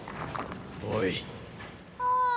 おい。